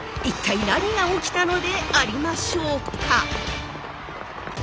一体何が起きたのでありましょうか？